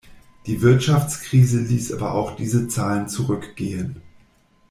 Die Wirtschaftskrise ließ aber auch diese Zahlen zurückgehen.